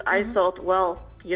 jadi saya sudah tahu hal itu